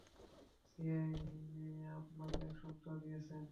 CIA আপনাকে এক সপ্তাহ দিয়েছে।